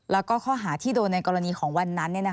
แล้วก็ข้อหาที่โดนในกรณีของวันนั้น